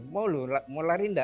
mau lu mau lari enggak